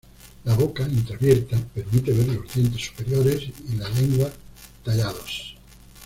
La boca, entreabierta, permite ver los dientes superiores y la lengua tallados.